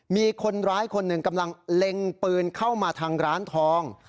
มีคนร้ายคนหนึ่งกำลังเล็งปืนเข้ามาทางร้านทอง